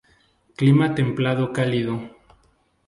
Clima templado-cálido.